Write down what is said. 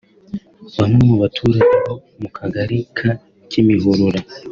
Bamwe mu baturage bo mu Kagari ka Kimihurura